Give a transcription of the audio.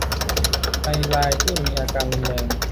ในรายที่มีอาการรุนแรง